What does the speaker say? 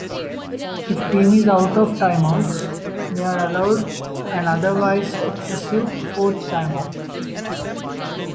If a team is out of timeouts, they are allowed an otherwise-excessive "fourth timeout".